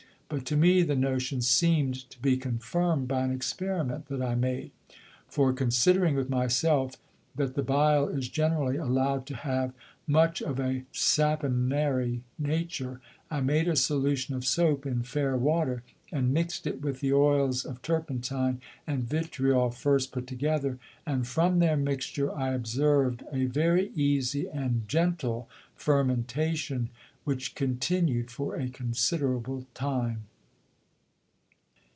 But to me the Notion seem'd to be confirmed by an Experiment that I made. For considering with my self, that the Bile is generally allow'd to have much of a saponary Nature, I made a Solution of Soap in fair Water, and mix'd it with the Oils of Turpentine and Vitriol first put together, and from their Mixture I observ'd a very easie and gentle Fermentation, which continued for a considerable time.